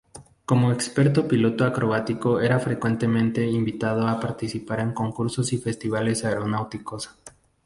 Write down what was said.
Como experto piloto acrobático era frecuentemente invitado a participar en concursos y festivales aeronáuticos.